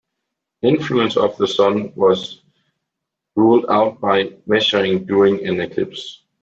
Influence of the Sun was ruled out by measuring during an eclipse.